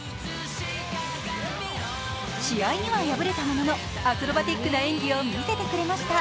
試合には敗れたもののアクロバティックな演技を見せてくれました。